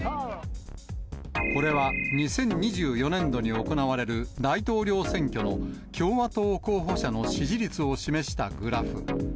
これは、２０２４年度に行われる大統領選挙の、共和党候補者の支持率を示したグラフ。